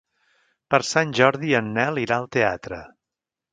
Per Sant Jordi en Nel irà al teatre.